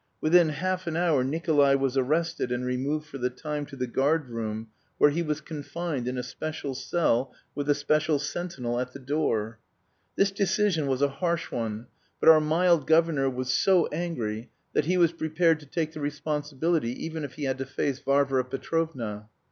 Within half an hour Nikolay was arrested and removed for the time to the guard room, where he was confined in a special cell, with a special sentinel at the door. This decision was a harsh one, but our mild governor was so angry that he was prepared to take the responsibility even if he had to face Varvara Petrovna.